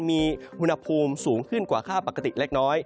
มีอุณหภูมิสูงขึ้นกว่าค่าปกติเล็กน้อย